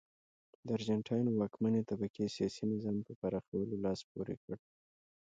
د ارجنټاین واکمنې طبقې سیاسي نظام په پراخولو لاس پورې کړ.